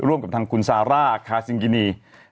ร่วมกับทางคุณซาร่าคาซิงกินี